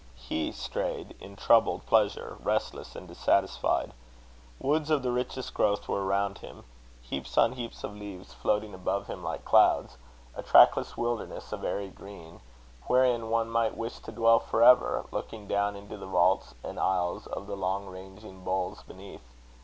He strayed in troubled pleasure, restless and dissatisfied. Woods of the richest growth were around him; heaps on heaps of leaves floating above him like clouds, a trackless wilderness of airy green, wherein one might wish to dwell for ever, looking down into the vaults and aisles of the long ranging boles beneath.